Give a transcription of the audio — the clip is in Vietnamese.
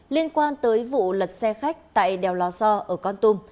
liên quan tới vụ lật xe khách tại đèo lò so ở con tum